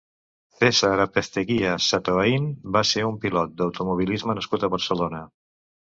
Cèsar Apezteguía Setoaín va ser un pilot d'automobilisme nascut a Barcelona.